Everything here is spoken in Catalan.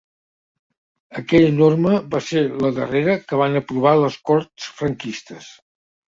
Aquella norma va ser la darrera que van aprovar les Corts franquistes.